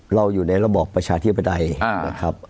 เราอยู่ในระบอบประชาธิปไตยนะครับ